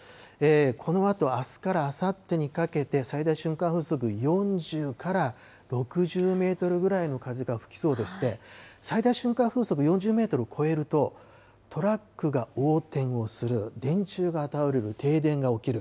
このあとあすからあさってにかけて、最大瞬間風速４０から６０メートルぐらいの風が吹きそうでして、最大瞬間風速４０メートルを超えると、トラックが横転をする、電柱が倒れる、停電が起きる。